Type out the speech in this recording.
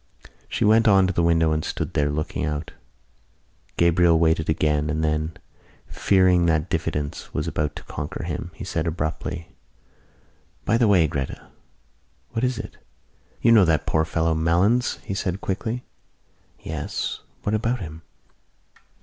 She went on to the window and stood there, looking out. Gabriel waited again and then, fearing that diffidence was about to conquer him, he said abruptly: "By the way, Gretta!" "What is it?" "You know that poor fellow Malins?" he said quickly. "Yes. What about him?"